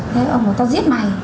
thế ông của tao giết mày